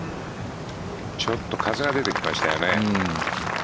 ちょっと風が出てきましたよね。